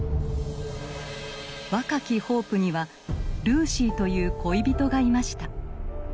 若きホープにはルーシーという恋人がいました。